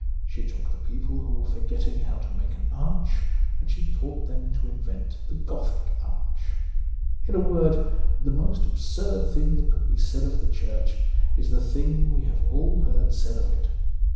She took the people who were forgetting how to make an arch, and she taught them to invent the Gothic arch. In a word, the most absurd thing that could be said of the Church is the thing we have all heard said of it.